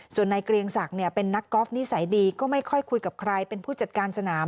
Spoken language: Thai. ส่วนนายเกรียงศักดิ์เป็นนักกอล์ฟนิสัยดีก็ไม่ค่อยคุยกับใครเป็นผู้จัดการสนาม